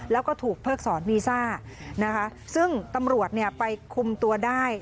แล้วก็ถูกเพิกสอนวีซ่าซึ่งตำรวจไปคุมตัวได้